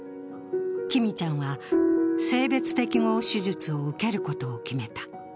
きみちゃんは性別適合手術を受けることを決めた。